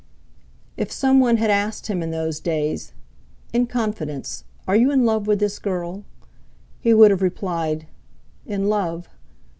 If some one had asked him in those days, "In confidence—are you in love with this girl?" he would have replied: "In love?